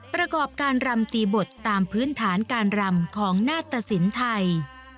ประกอบการรำตีบทตามพื้นฐานการรำของนาตสินไทย